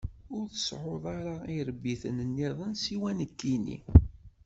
Ur tseɛɛuḍ ara iṛebbiten-nniḍen siwa nekkini.